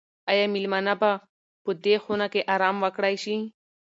آیا مېلمانه به په دې خونه کې ارام وکړای شي؟